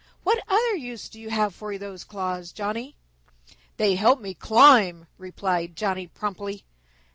What other use do you have for those claws, Johnny?" "They help me to climb," replied Johnny promptly.